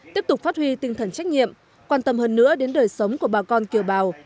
tiếp tục phát huy tinh thần trách nhiệm quan tâm hơn nữa đến đời sống của bà con kiều bào